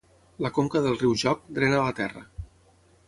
La conca del riu Jock drena la terra.